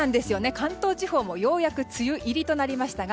関東地方もようやく梅雨入りとなりましたが